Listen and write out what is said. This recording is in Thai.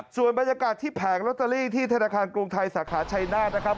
ส่วนบรรยากาศที่แผงลอตเตอรี่ที่ธนาคารกรุงไทยสาขาชัยนาธนะครับ